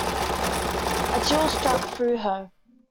A chill struck through her.